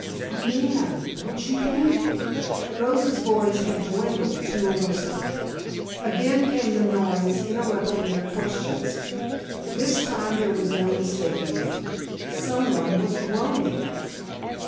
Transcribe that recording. "A man, don't you think?" Rosa's voice had dwindled to a whisper. Again came the noise interrupting their questions. This time there was no mistaking it. Someone was groaning.